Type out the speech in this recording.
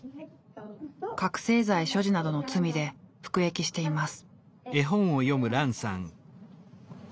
覚醒剤所持などの罪で服役しています。